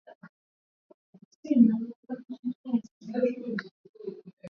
Wanajeshi tisa walioshtakiwa ni pamoja na mameja watatu